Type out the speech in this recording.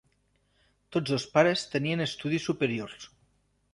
Tots dos pares tenien estudis superiors.